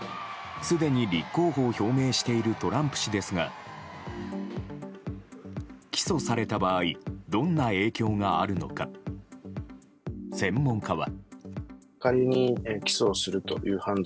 すでに立候補を表明しているトランプ氏ですが起訴された場合どんな影響があるのか専門家は。